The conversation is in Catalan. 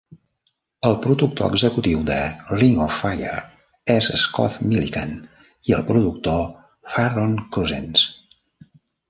El productor executiu de "Ring of Fire" és Scott Millican, i el productor Farron Cousins.